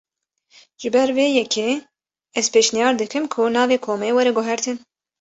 Ji ber vê yekê, ez pêşniyar dikim ku navê komê were guhertin